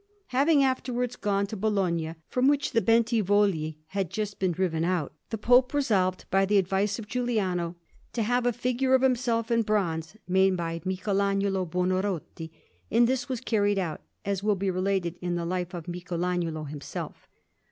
Having afterwards gone to Bologna, from which the Bentivogli had just been driven out, the Pope resolved, by the advice of Giuliano, to have a figure of himself in bronze made by Michelagnolo Buonarroti; and this was carried out, as will be related in the Life of Michelagnolo himself.